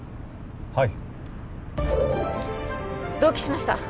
はい同期しました